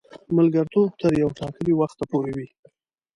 ملګرتوب تر یوه ټاکلي وخته پوري وي.